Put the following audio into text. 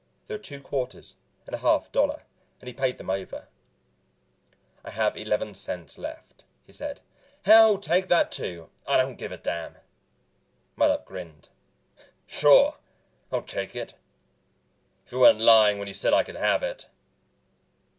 There were two quarters and a half dollar, and he paid them over. "I have eleven cents left," he said. "Hell, take that too. I don't give a damn." Mattup grinned. "Sure I'll take it if you weren't lying when you said I could have it."